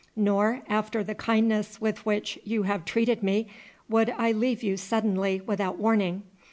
Nor, after the kindness with which you have treated me, would I leave you suddenly without warning.